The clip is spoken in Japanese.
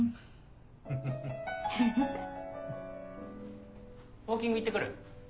ウオーキング行って来る。